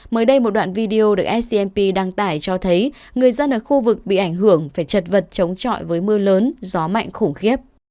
mới đây một đoạn video được smp đăng tải cho thấy người dân ở khu vực bị ảnh hưởng phải chật vật chống trọi với mưa lớn gió mạnh khủng khiếp